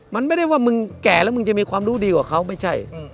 มันไม่ได้ว่ามึงแก่แล้วมึงจะมีความรู้ดีกว่าเขาไม่ใช่